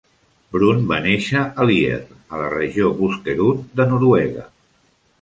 Brun va néixer a Lier, a la regió Buskerud de Noruega.